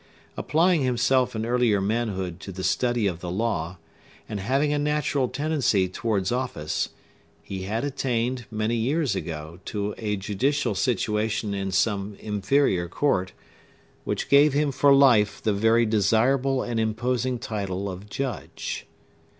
Applying himself in earlier manhood to the study of the law, and having a natural tendency towards office, he had attained, many years ago, to a judicial situation in some inferior court, which gave him for life the very desirable and imposing title of judge.